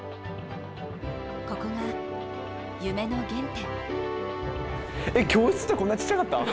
ここが夢の原点。